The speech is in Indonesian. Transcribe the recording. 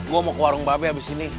gue mau ke warung bape abis ini